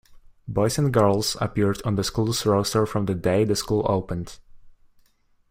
Boys and girls appeared on the school's roster from the day the school opened.